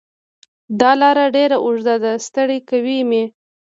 دا لار ډېره اوږده ده ستړی کوی مې